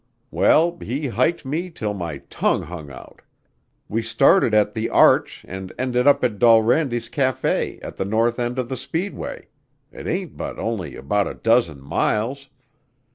Well, he hiked me till my tongue hung out. We started at the Arch and ended up at Dolrandi's café at the north end of the speedway it ain't but only about a dozen miles....